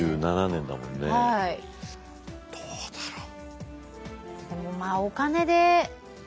どうだろう。